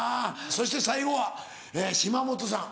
そして最後は島本さん。